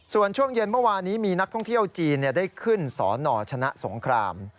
ส่วนช่วงเย็นเมื่อวานนี้มีนักท่องเที่ยวจีนได้ขึ้นสนชนะสงคราม